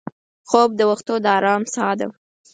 خوب د وختو د ارام سا ده